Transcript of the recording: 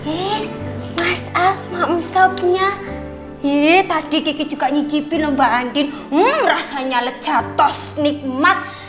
eh masak maksudnya iya tadi kiki juga nyicipin mbak andin merasanya lecatos nikmat